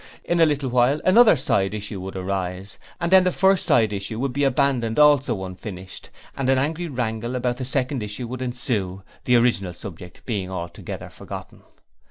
In a little while another side issue would arise, and then the first side issue would be abandoned also unfinished, and an angry wrangle about the second issue would ensue, the original subject being altogether forgotten.